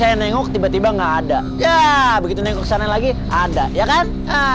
saya nengok tiba tiba enggak ada ya begitu tengok sana lagi ada ya kan